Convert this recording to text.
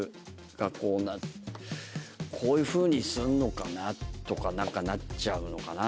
こういうふうにするのかな？とかなんかなっちゃうのかな？